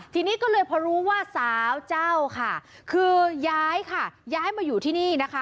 ทีนี้ก็เลยพอรู้ว่าสาวเจ้าค่ะคือย้ายค่ะย้ายมาอยู่ที่นี่นะคะ